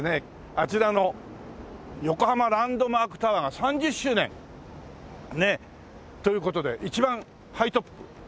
あちらの横浜ランドマークタワーが３０周年。という事で一番ハイトップ上まで行こうじゃないか。